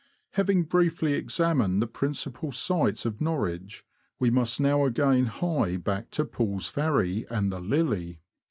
Having briefly examined the principal sights of Norwich, we must now again hie back to Pull's Ferry and the ''Lily."